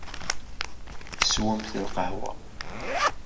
Swemt lqahwa.